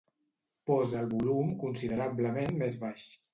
Posa el volum considerablement més baix.